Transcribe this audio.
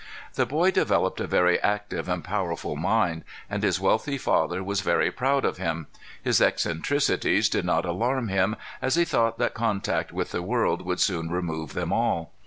The boy developed a very active and powerful mind, and his wealthy father was very proud of him. His eccentricities did not alarm him, as he thought that contact with the world would soon remove them all.